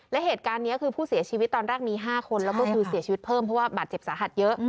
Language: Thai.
และเหตุการณ์นี้คือผู้เสียชีวิตตอนแรกมี๕คนแล้วก็คือเสียชีวิตเพิ่มเพราะว่าบาดเจ็บสาหัสเยอะ